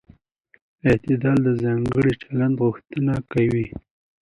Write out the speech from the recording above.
عدالت د ځانګړي چلند غوښتنه کوي.